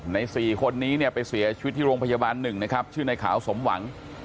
ใน๔คนนี้เนี่ยไปเสียชีวิตที่โรงพยาบาล๑นะครับชื่อในขาวสมหวัง